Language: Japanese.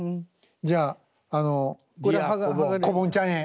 じゃああのこぼんちゃんへ。